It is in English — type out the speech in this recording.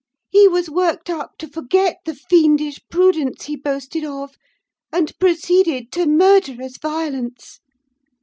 He was worked up to forget the fiendish prudence he boasted of, and proceeded to murderous violence.